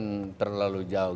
tidak terlalu jauh